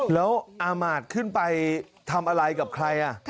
แล้วอามาตย์ขึ้นไปทำอะไรกับใคร